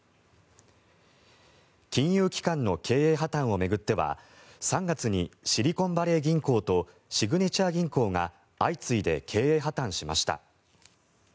金融機関の経営破たんを巡っては３月にシリコンバレー銀行とシグネチャー銀行が相次いで経営破たんしました。